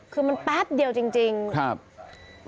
คือมันแป๊บเดียวจริงจริงครับ